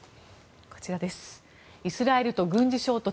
イスラエルと軍事衝突。